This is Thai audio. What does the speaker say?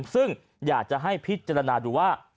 ซึ่งอยากจะให้พิจารณาดูว่า